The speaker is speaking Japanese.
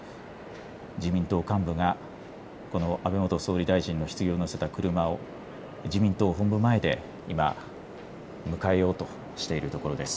自民党幹部が安倍元総理大臣のひつぎを乗せた車を自民党本部前で今迎えようとしているところです。